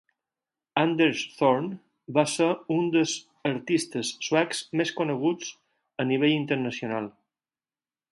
Anders Zorn va ser un dels artistes suecs més coneguts a nivell internacional.